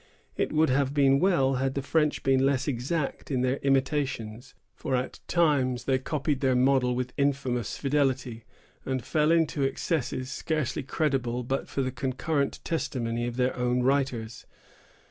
It would have been well had the French been less exact in their imitations, for at times they copied their model with infamous fidelity, and fell into excesses scarcely credible but for the concurrent testimony of their own writers.